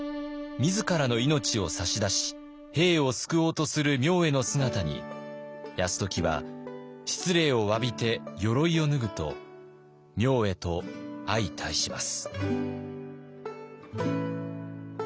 自らの命を差し出し兵を救おうとする明恵の姿に泰時は失礼をわびて鎧を脱ぐと明恵と相対します。